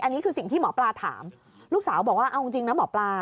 อันนี้คือสิ่งที่หมอปลาถามลูกสาวบอกว่าเอาจริงนะหมอปลา